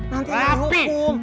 nanti ada hukum